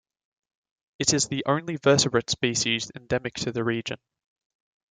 It is the only vertebrate species endemic to the region.